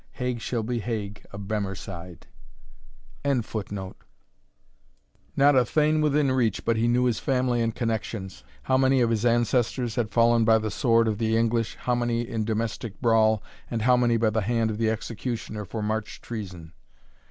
Haig shall be Haig of Bemerside. ] Not a Thane within reach but he knew his family and connexions, how many of his ancestors had fallen by the sword of the English, how many in domestic brawl, and how many by the hand of the executioner for march treason.